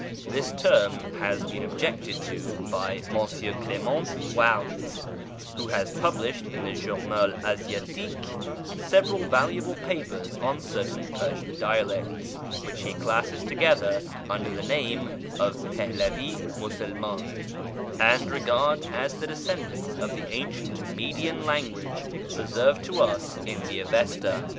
This term has been objected to by M. Clement Huart, who has published in the Journal Asiatiqiie several valuable papers on certain Persian dialects, which he classes together under the name of " Pehlevi Musulman," and regards as the descendants of the ancient Median language preserved to us in the Avesta.